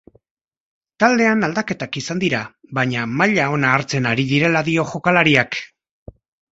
Taldean aldaketak izan dira baina maila ona hartzen ari direla dio jokalariak.